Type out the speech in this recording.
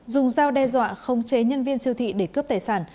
dùng dao đe dọa khống chế nhân viên siêu thị để cướp tài sản